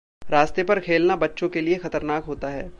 रास्ते पर खेलना बच्चों के लिये खतरनाक होता है।